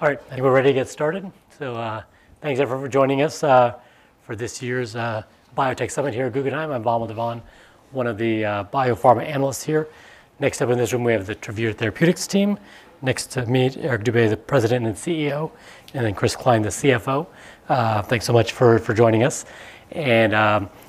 All right, I think we're ready to get started. So, thanks everyone for joining us for this year's Biotech Summit here at Guggenheim. I'm Vamil Divan, one of the biopharma analysts here. Next up in this room, we have the Travere Therapeutics team. Next to me, Eric Dube, the President and CEO, and then Chris Cline, the CFO. Thanks so much for joining us. And,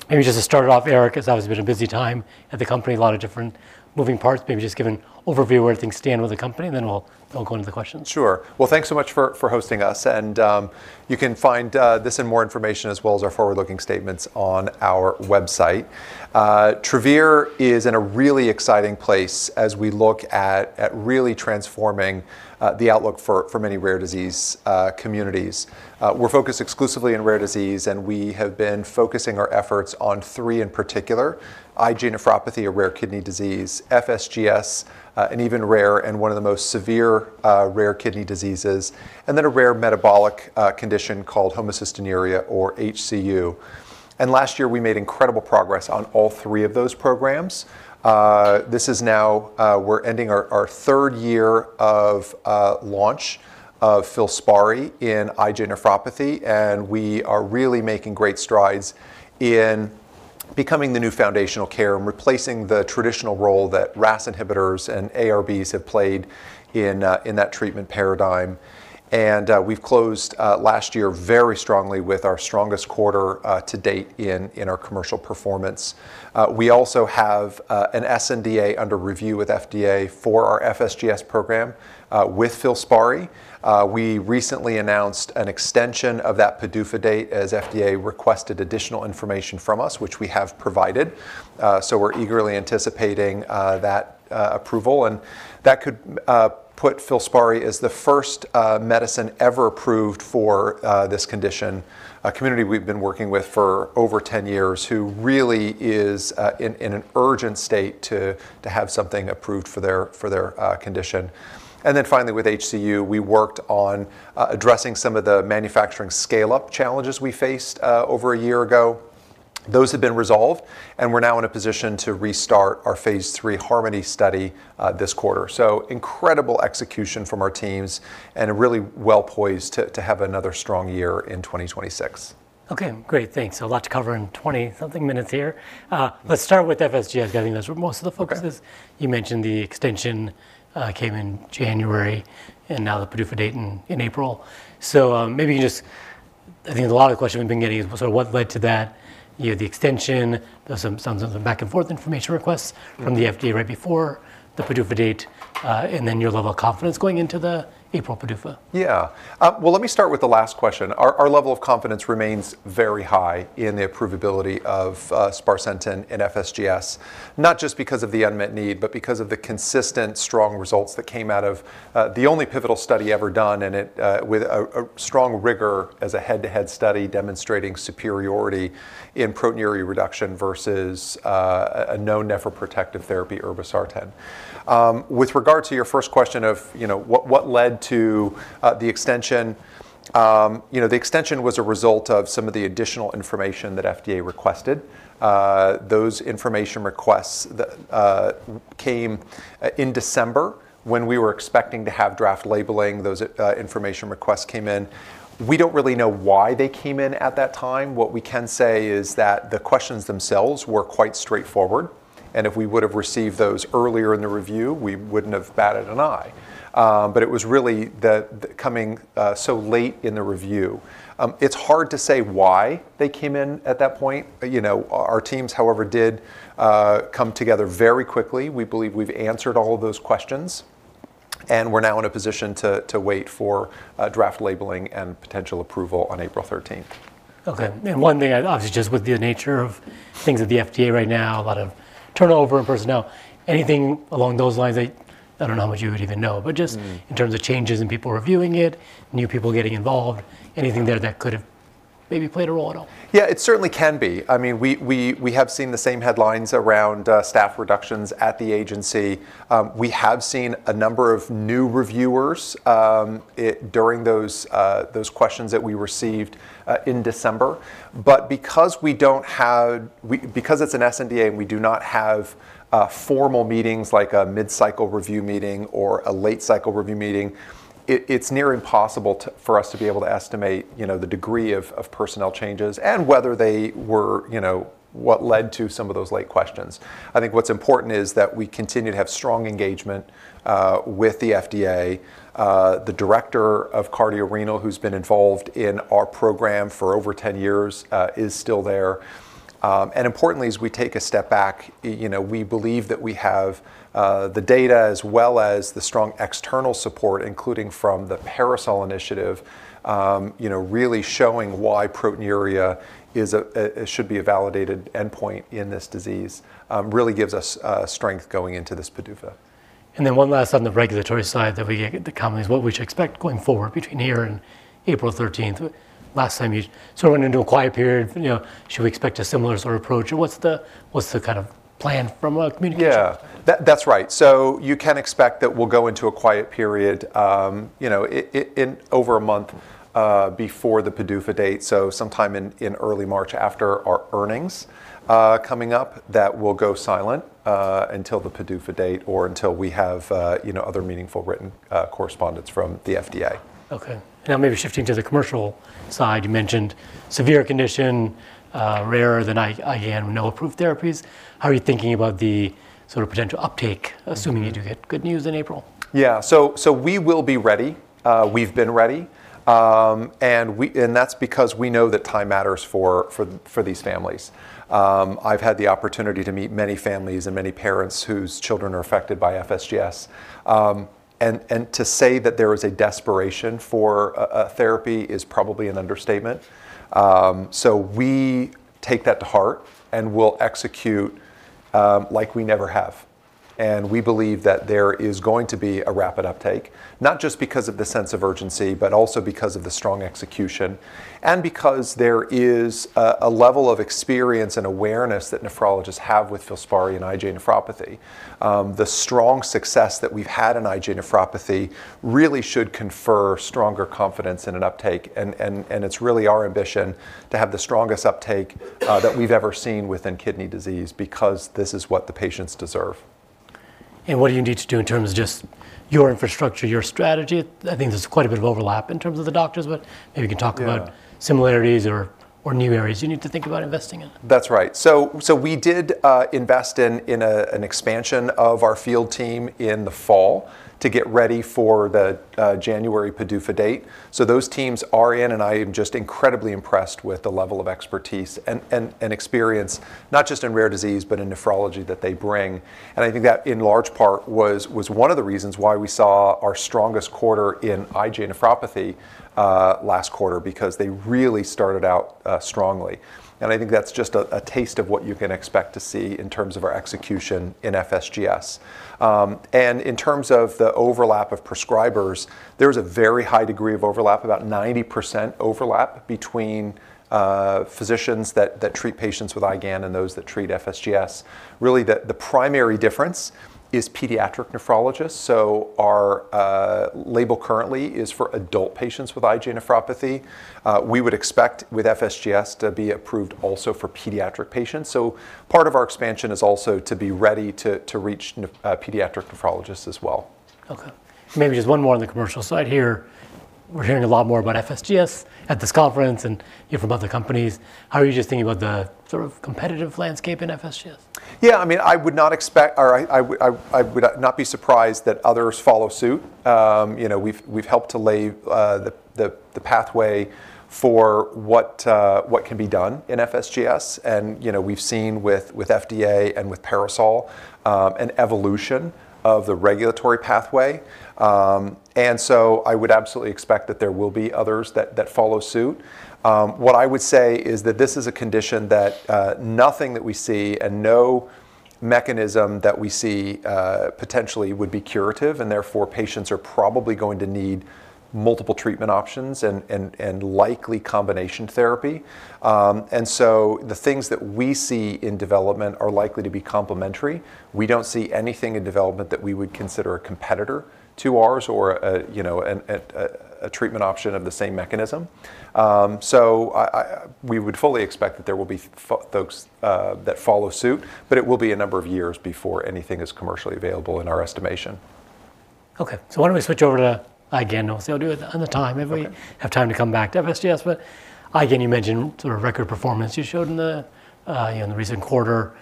maybe just to start it off, Eric, it's obviously been a busy time at the company, a lot of different moving parts. Maybe just give an overview of where things stand with the company, and then we'll go into the questions. Sure. Well, thanks so much for hosting us. You can find this and more information as well as our forward-looking statements on our website. Travere is in a really exciting place as we look at really transforming the outlook for many rare disease communities. We're focused exclusively on rare disease, and we have been focusing our efforts on three in particular: IgA nephropathy, a rare kidney disease; FSGS, and even rare and one of the most severe rare kidney diseases; and then a rare metabolic condition called homocystinuria, or HCU. And last year, we made incredible progress on all three of those programs. This is now. We're ending our third year of launch of FILSPARI in IgA nephropathy, and we are really making great strides in becoming the new foundational care and replacing the traditional role that RAS inhibitors and ARBs have played in that treatment paradigm. We've closed last year very strongly with our strongest quarter to date in our commercial performance. We also have an sNDA under review with FDA for our FSGS program with FILSPARI. We recently announced an extension of that PDUFA date as FDA requested additional information from us, which we have provided. So we're eagerly anticipating that approval. And that could put FILSPARI as the first medicine ever approved for this condition, a community we've been working with for over 10 years who really is in an urgent state to have something approved for their condition. Then finally, with HCU, we worked on addressing some of the manufacturing scale-up challenges we faced over a year ago. Those have been resolved, and we're now in a position to restart our phase III HARMONY study this quarter. Incredible execution from our teams and really well poised to have another strong year in 2026. Okay, great. Thanks. So a lot to cover in 20-something minutes here. Let's start with FSGS, because I think that's where most of the focus is. You mentioned the extension, came in January and now the PDUFA date in April. So, maybe you can just I think a lot of the questions we've been getting is sort of what led to that, you know, the extension, there was some back-and-forth information requests from the FDA right before the PDUFA date, and then your level of confidence going into the April PDUFA. Yeah. Well, let me start with the last question. Our level of confidence remains very high in the approvability of sparsentan and FSGS, not just because of the unmet need, but because of the consistent, strong results that came out of the only pivotal study ever done and it with a strong rigor as a head-to-head study demonstrating superiority in proteinuria reduction versus a known nephroprotective therapy, irbesartan. With regard to your first question of, you know, what led to the extension, you know, the extension was a result of some of the additional information that FDA requested. Those information requests that came in December when we were expecting to have draft labeling, those information requests came in. We don't really know why they came in at that time. What we can say is that the questions themselves were quite straightforward. If we would have received those earlier in the review, we wouldn't have batted an eye. But it was really the coming so late in the review. It's hard to say why they came in at that point. You know, our teams, however, did come together very quickly. We believe we've answered all of those questions, and we're now in a position to wait for draft labeling and potential approval on April 13th. Okay. And one thing, obviously, just with the nature of things at the FDA right now, a lot of turnover in personnel, anything along those lines that I don't know how much you would even know, but just in terms of changes in people reviewing it, new people getting involved, anything there that could have maybe played a role at all? Yeah, it certainly can be. I mean, we have seen the same headlines around staff reductions at the agency. We have seen a number of new reviewers during those questions that we received in December. But because we don't have—because it's an sNDA and we do not have formal meetings like a mid-cycle review meeting or a late-cycle review meeting, it's near impossible for us to be able to estimate, you know, the degree of personnel changes and whether they were, you know, what led to some of those late questions. I think what's important is that we continue to have strong engagement with the FDA. The Director of Cardiorenal, who's been involved in our program for over 10 years, is still there. And importantly, as we take a step back, you know, we believe that we have the data as well as the strong external support, including from the PARASOL Initiative, you know, really showing why proteinuria is a should be a validated endpoint in this disease, really gives us strength going into this PDUFA. And then one last on the regulatory side, what we should expect from the company going forward between here and April 13th? Last time you sort of went into a quiet period, you know, should we expect a similar sort of approach? And what's the kind of plan from a communication perspective? Yeah, that's right. So you can expect that we'll go into a quiet period, you know, in over a month, before the PDUFA date, so sometime in early March after our earnings coming up, that we'll go silent, until the PDUFA date or until we have, you know, other meaningful written correspondence from the FDA. Okay. Now maybe shifting to the commercial side. You mentioned severe condition, rarer than IgAN and no approved therapies. How are you thinking about the sort of potential uptake, assuming you do get good news in April? Yeah. So we will be ready. We've been ready, and that's because we know that time matters for these families. I've had the opportunity to meet many families and many parents whose children are affected by FSGS, and to say that there is a desperation for a therapy is probably an understatement. So we take that to heart and we'll execute like we never have. And we believe that there is going to be a rapid uptake, not just because of the sense of urgency, but also because of the strong execution and because there is a level of experience and awareness that nephrologists have with FILSPARI and IgA nephropathy. The strong success that we've had in IgA nephropathy really should confer stronger confidence in an uptake. It's really our ambition to have the strongest uptake that we've ever seen within kidney disease because this is what the patients deserve. What do you need to do in terms of just your infrastructure, your strategy? I think there's quite a bit of overlap in terms of the doctors, but maybe you can talk about similarities or, or new areas you need to think about investing in. That's right. So we did invest in an expansion of our field team in the fall to get ready for the January PDUFA date. So those teams are in, and I am just incredibly impressed with the level of expertise and experience, not just in rare disease, but in nephrology that they bring. And I think that in large part was one of the reasons why we saw our strongest quarter in IgA nephropathy last quarter, because they really started out strongly. And I think that's just a taste of what you can expect to see in terms of our execution in FSGS. In terms of the overlap of prescribers, there's a very high degree of overlap, about 90% overlap between physicians that treat patients with IgAN and those that treat FSGS. Really, the primary difference is pediatric nephrologists. So our label currently is for adult patients with IgA nephropathy. We would expect with FSGS to be approved also for pediatric patients. So part of our expansion is also to be ready to reach pediatric nephrologists as well. Okay. Maybe just one more on the commercial side here. We're hearing a lot more about FSGS at this conference and, you know, from other companies. How are you just thinking about the sort of competitive landscape in FSGS? Yeah, I mean, I would not expect or I would not be surprised that others follow suit. You know, we've helped to lay the pathway for what can be done in FSGS. And, you know, we've seen with FDA and with PARASOL an evolution of the regulatory pathway. And so I would absolutely expect that there will be others that follow suit. What I would say is that this is a condition that nothing that we see and no mechanism that we see potentially would be curative. And therefore, patients are probably going to need multiple treatment options and likely combination therapy. And so the things that we see in development are likely to be complementary. We don't see anything in development that we would consider a competitor to ours or a, you know, treatment option of the same mechanism. So we would fully expect that there will be folks that follow suit, but it will be a number of years before anything is commercially available in our estimation. Okay. So why don't we switch over to IgAN? We'll do it on the time if we have time to come back to FSGS. But IgAN, you mentioned sort of record performance you showed in the, you know, in the recent quarter.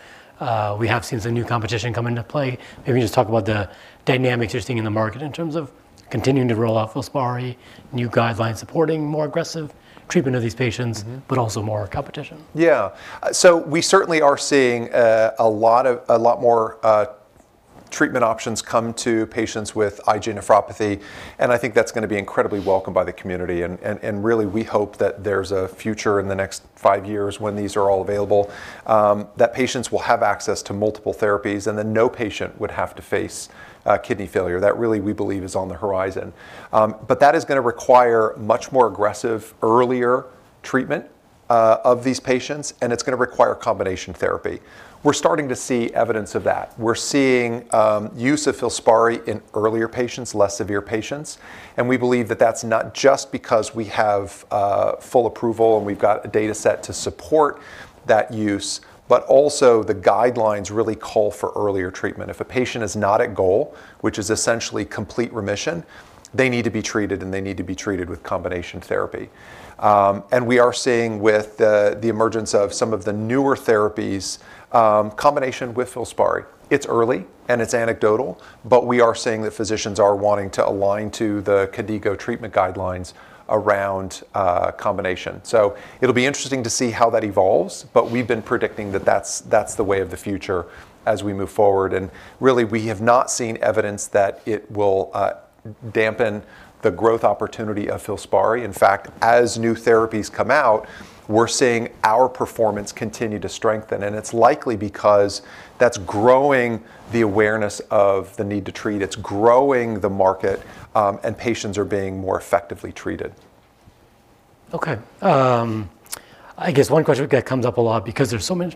We have seen some new competition come into play. Maybe you can just talk about the dynamics you're seeing in the market in terms of continuing to roll out FILSPARI, new guidelines supporting more aggressive treatment of these patients, but also more competition. Yeah. So we certainly are seeing a lot of a lot more treatment options come to patients with IgA nephropathy. And I think that's going to be incredibly welcomed by the community. And really, we hope that there's a future in the next five years when these are all available, that patients will have access to multiple therapies and that no patient would have to face kidney failure. That really, we believe, is on the horizon. But that is going to require much more aggressive, earlier treatment of these patients, and it's going to require combination therapy. We're starting to see evidence of that. We're seeing use of FILSPARI in earlier patients, less severe patients. And we believe that that's not just because we have full approval and we've got a data set to support that use, but also the guidelines really call for earlier treatment. If a patient is not at goal, which is essentially complete remission, they need to be treated, and they need to be treated with combination therapy. And we are seeing with the, the emergence of some of the newer therapies, combination with FILSPARI. It's early, and it's anecdotal, but we are seeing that physicians are wanting to align to the KDIGO treatment guidelines around, combination. So it'll be interesting to see how that evolves, but we've been predicting that that's, that's the way of the future as we move forward. And really, we have not seen evidence that it will, dampen the growth opportunity of FILSPARI. In fact, as new therapies come out, we're seeing our performance continue to strengthen. And it's likely because that's growing the awareness of the need to treat. It's growing the market, and patients are being more effectively treated. Okay. I guess one question that comes up a lot because there's so many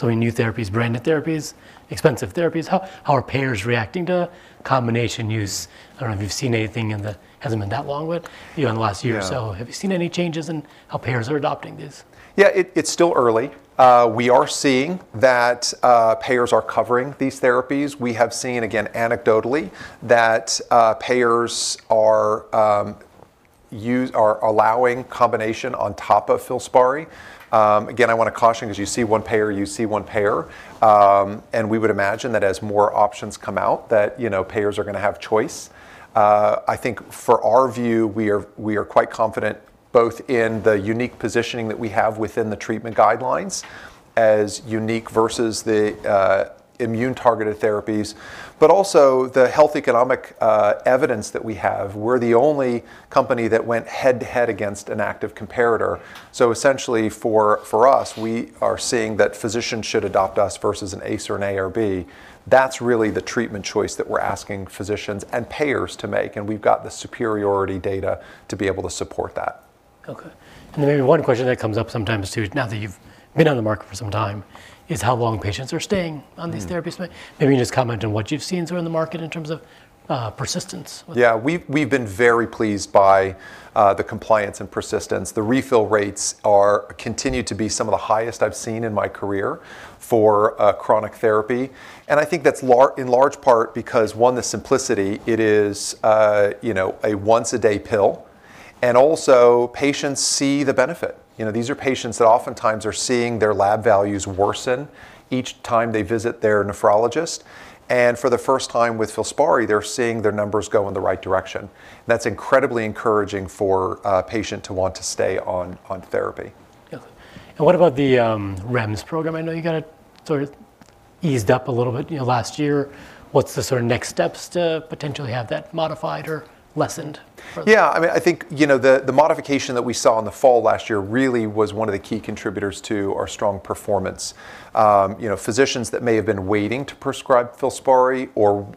so many new therapies, branded therapies, expensive therapies, how, how are payers reacting to combination use? I don't know if you've seen anything in the hasn't been that long, but, you know, in the last year or so, have you seen any changes in how payers are adopting these? Yeah, it, it's still early. We are seeing that payers are covering these therapies. We have seen, again, anecdotally, that payers are allowing combination on top of FILSPARI. Again, I want to caution because you see one payer, you see one payer. And we would imagine that as more options come out, that, you know, payers are going to have choice. I think for our view, we are quite confident both in the unique positioning that we have within the treatment guidelines as unique versus the immune-targeted therapies, but also the health economic evidence that we have. We're the only company that went head-to-head against an active competitor. So essentially, for us, we are seeing that physicians should adopt us versus an ACE or an ARB. That's really the treatment choice that we're asking physicians and payers to make. We've got the superiority data to be able to support that. Okay. And then maybe one question that comes up sometimes too, now that you've been on the market for some time, is how long patients are staying on these therapies. Maybe you can just comment on what you've seen sort of in the market in terms of, persistence. Yeah, we've been very pleased by the compliance and persistence. The refill rates continue to be some of the highest I've seen in my career for chronic therapy. And I think that's in large part because, one, the simplicity. It is, you know, a once-a-day pill. And also, patients see the benefit. You know, these are patients that oftentimes are seeing their lab values worsen each time they visit their nephrologist. And for the first time with FILSPARI, they're seeing their numbers go in the right direction. And that's incredibly encouraging for a patient to want to stay on therapy. Okay. And what about the REMS program? I know you got it sort of eased up a little bit, you know, last year. What's the sort of next steps to potentially have that modified or lessened? Yeah, I mean, I think, you know, the, the modification that we saw in the fall last year really was one of the key contributors to our strong performance. You know, physicians that may have been waiting to prescribe FILSPARI or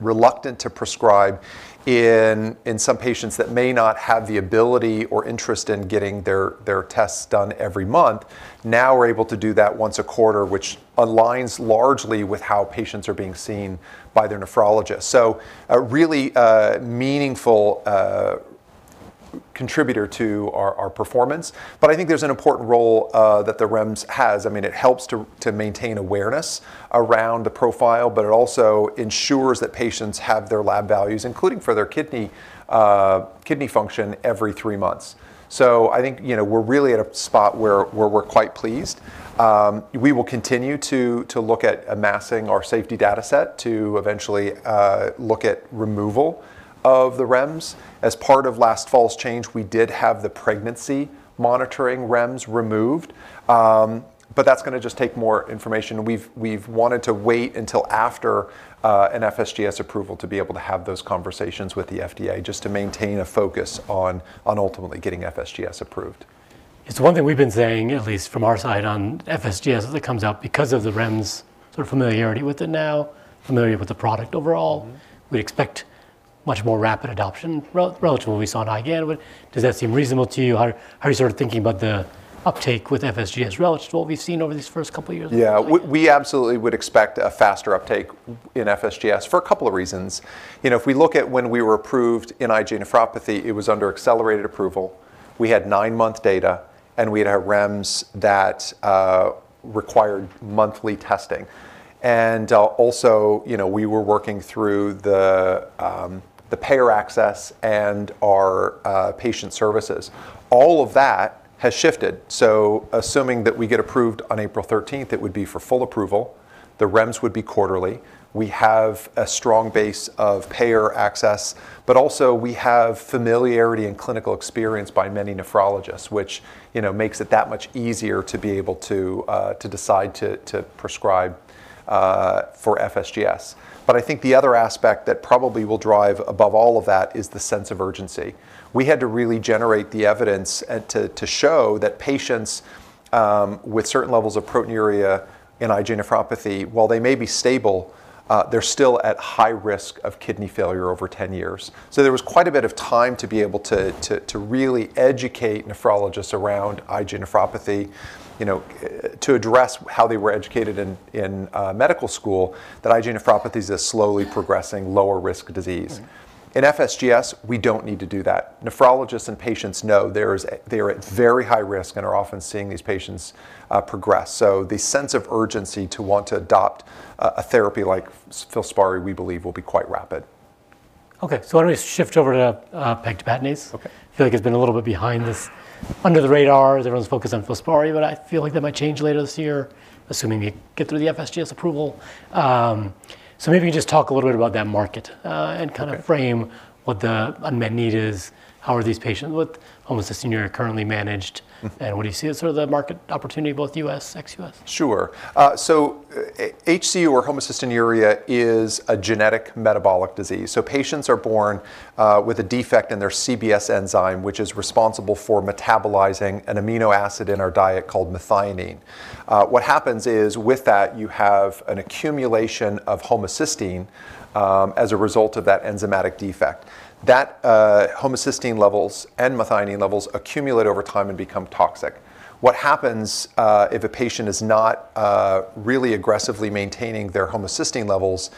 reluctant to prescribe in, in some patients that may not have the ability or interest in getting their, their tests done every month, now are able to do that once a quarter, which aligns largely with how patients are being seen by their nephrologist. So a really, meaningful, contributor to our, our performance. But I think there's an important role that the REMS has. I mean, it helps to, to maintain awareness around the profile, but it also ensures that patients have their lab values, including for their kidney, kidney function, every three months. So I think, you know, we're really at a spot where we're quite pleased. We will continue to look at amassing our safety data set to eventually look at removal of the REMS. As part of last fall's change, we did have the pregnancy monitoring REMS removed. But that's going to just take more information. We've wanted to wait until after an FSGS approval to be able to have those conversations with the FDA just to maintain a focus on ultimately getting FSGS approved. It's one thing we've been saying, at least from our side, on FSGS as it comes out, because of the REMS sort of familiarity with it now, familiarity with the product overall, we'd expect much more rapid adoption relative to what we saw in IgAN. Does that seem reasonable to you? How are you sort of thinking about the uptake with FSGS relative to what we've seen over these first couple of years? Yeah, we, we absolutely would expect a faster uptake in FSGS for a couple of reasons. You know, if we look at when we were approved in IgA nephropathy, it was under accelerated approval. We had nine-month data, and we had a REMS that required monthly testing. And, also, you know, we were working through the, the payer access and our, patient services. All of that has shifted. So assuming that we get approved on April 13th, it would be for full approval. The REMS would be quarterly. We have a strong base of payer access, but also we have familiarity and clinical experience by many nephrologists, which, you know, makes it that much easier to be able to, to decide to, to prescribe, for FSGS. But I think the other aspect that probably will drive above all of that is the sense of urgency. We had to really generate the evidence to show that patients with certain levels of proteinuria in IgA nephropathy, while they may be stable, they're still at high risk of kidney failure over 10 years. So there was quite a bit of time to be able to really educate nephrologists around IgA nephropathy, you know, to address how they were educated in medical school that IgA nephropathy is a slowly progressing, lower-risk disease. In FSGS, we don't need to do that. Nephrologists and patients know that they are at very high risk and are often seeing these patients progress. So the sense of urgency to want to adopt a therapy like FILSPARI, we believe, will be quite rapid. Okay. So why don't we shift over to pegtibatinase? Okay. I feel like he's been a little bit behind this, under the radar. Everyone's focused on FILSPARI, but I feel like that might change later this year, assuming we get through the FSGS approval. So maybe you can just talk a little bit about that market, and kind of frame what the unmet need is, how are these patients with homocystinuria currently managed, and what do you see as sort of the market opportunity, both U.S., ex-U.S.? Sure. So HCU or homocystinuria is a genetic metabolic disease. So patients are born with a defect in their CBS enzyme, which is responsible for metabolizing an amino acid in our diet called methionine. What happens is with that, you have an accumulation of homocysteine, as a result of that enzymatic defect. That homocysteine levels and methionine levels accumulate over time and become toxic. What happens if a patient is not really aggressively maintaining their homocysteine levels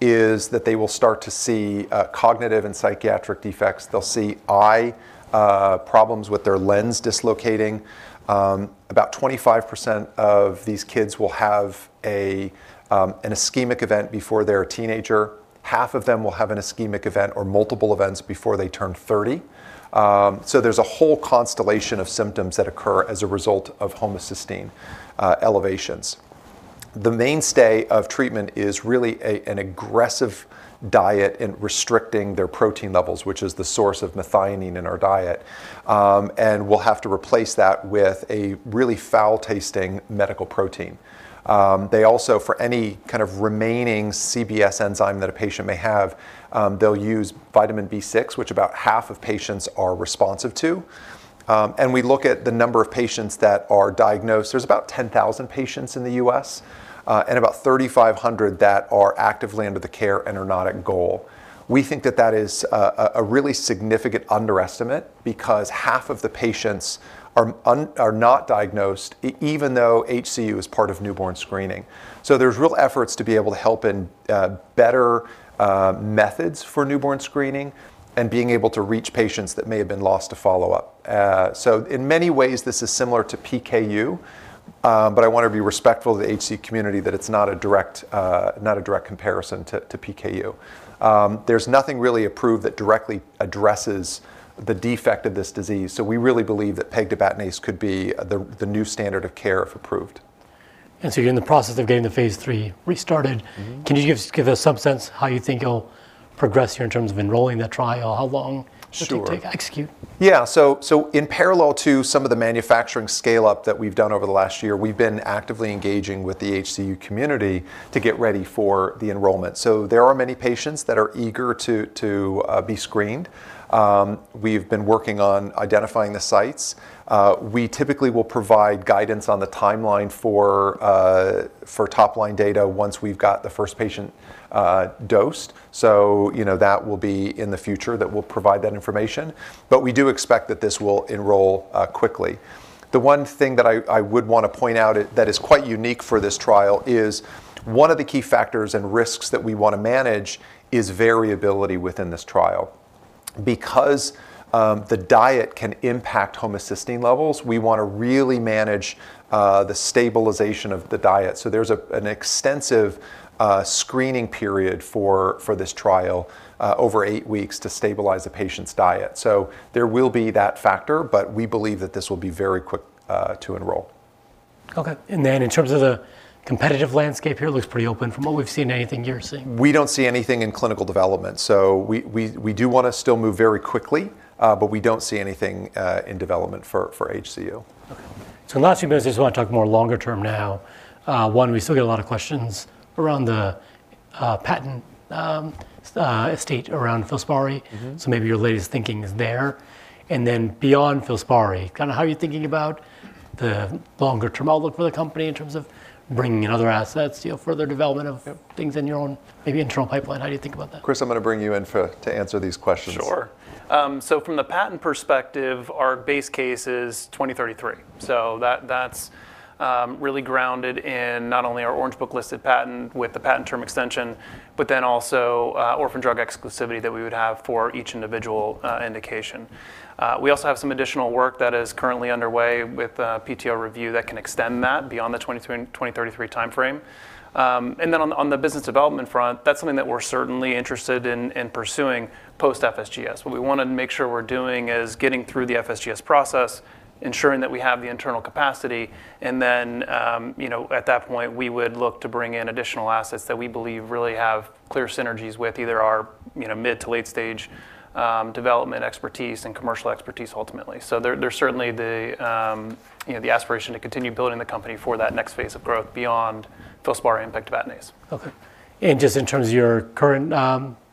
is that they will start to see cognitive and psychiatric defects. They'll see eye problems with their lens dislocating. About 25% of these kids will have an ischemic event before they're a teenager. Half of them will have an ischemic event or multiple events before they turn 30. So there's a whole constellation of symptoms that occur as a result of homocysteine elevations. The mainstay of treatment is really an aggressive diet in restricting their protein levels, which is the source of methionine in our diet. We'll have to replace that with a really foul-tasting medical protein. They also, for any kind of remaining CBS enzyme that a patient may have, they'll use vitamin B6, which about half of patients are responsive to. We look at the number of patients that are diagnosed. There's about 10,000 patients in the U.S., and about 3,500 that are actively under the care and are not at goal. We think that that is a really significant underestimate because half of the patients are not diagnosed, even though HCU is part of newborn screening. So there's real efforts to be able to help in better methods for newborn screening and being able to reach patients that may have been lost to follow-up. So in many ways, this is similar to PKU, but I want to be respectful of the HCU community that it's not a direct, not a direct comparison to, to PKU. There's nothing really approved that directly addresses the defect of this disease. So we really believe that pegtibatinase could be the, the new standard of care if approved. You're in the process of getting the phase III restarted. Can you just give us some sense how you think it'll progress here in terms of enrolling that trial? How long should it take? Execute? Sure. Yeah. So, so in parallel to some of the manufacturing scale-up that we've done over the last year, we've been actively engaging with the HCU community to get ready for the enrollment. So there are many patients that are eager to be screened. We've been working on identifying the sites. We typically will provide guidance on the timeline for top-line data once we've got the first patient dosed. So, you know, that will be in the future that we'll provide that information. But we do expect that this will enroll quickly. The one thing that I would want to point out that is quite unique for this trial is one of the key factors and risks that we want to manage is variability within this trial. Because the diet can impact homocysteine levels, we want to really manage the stabilization of the diet. So there's an extensive screening period for this trial, over eight weeks to stabilize the patient's diet. So there will be that factor, but we believe that this will be very quick to enroll. Okay. And then in terms of the competitive landscape here, it looks pretty open from what we've seen and anything you're seeing. We don't see anything in clinical development. So we do want to still move very quickly, but we don't see anything in development for HCU. Okay. So in the last few minutes, I just want to talk more longer-term now. One, we still get a lot of questions around the patent estate around FILSPARI. So maybe your latest thinking is there. And then beyond FILSPARI, kind of how are you thinking about the longer-term outlook for the company in terms of bringing in other assets, you know, further development of things in your own maybe internal pipeline? How do you think about that? Chris, I'm going to bring you in to answer these questions. Sure. So from the patent perspective, our base case is 2033. So that's really grounded in not only our Orange Book listed patent with the patent term extension, but then also orphan drug exclusivity that we would have for each individual indication. We also have some additional work that is currently underway with PTO review that can extend that beyond the 2033 timeframe. And then on the business development front, that's something that we're certainly interested in pursuing post-FSGS. What we want to make sure we're doing is getting through the FSGS process, ensuring that we have the internal capacity. And then, you know, at that point, we would look to bring in additional assets that we believe really have clear synergies with either our, you know, mid to late stage development expertise and commercial expertise ultimately. There's certainly the, you know, the aspiration to continue building the company for that next phase of growth beyond FILSPARI and pegtibatinase. Okay. And just in terms of your current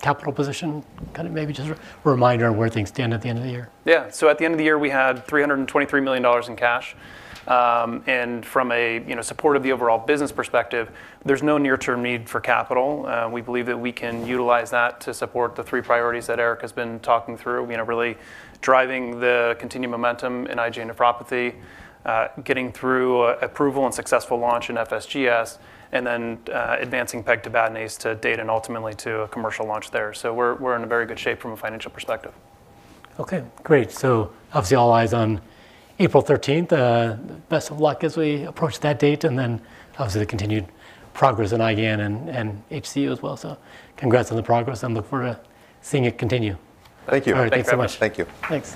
capital position, kind of maybe just a reminder on where things stand at the end of the year? Yeah. So at the end of the year, we had $323 million in cash. From a, you know, support of the overall business perspective, there's no near-term need for capital. We believe that we can utilize that to support the three priorities that Eric has been talking through, you know, really driving the continued momentum in IgA nephropathy, getting through approval and successful launch in FSGS, and then, advancing pegtibatinase to date and ultimately to a commercial launch there. So we're in a very good shape from a financial perspective. Okay. Great. So obviously, all eyes on April 13th. Best of luck as we approach that date. Then obviously, the continued progress in IgAN and HCU as well. Congrats on the progress and look forward to seeing it continue. Thank you. All right. Thanks so much. All right. Thank you. Thanks.